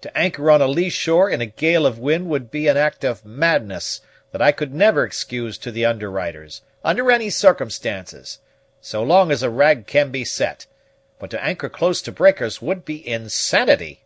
To anchor on a lee shore in a gale of wind would be an act of madness that I could never excuse to the underwriters, under any circumstances, so long as a rag can be set; but to anchor close to breakers would be insanity."